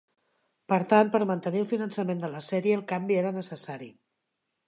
Per tant, per mantenir el finançament de la sèrie, el canvi era necessari.